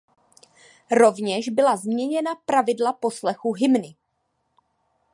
Rovněž byla změněna pravidla poslechu hymny.